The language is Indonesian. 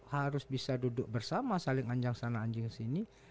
harus bisa duduk bersama saling anjang sana anjing sini